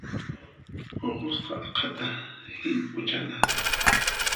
Puqusqa aqhata hillp'uchana.